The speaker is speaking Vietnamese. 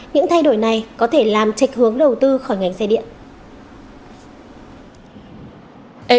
những thay đổi này có thể làm trạch hướng đầu tư khỏi ngành xe điện